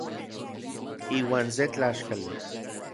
Iuan se tlaxkali.